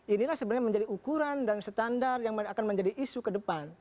inilah sebenarnya menjadi ukuran dan standar yang akan menjadi isu ke depan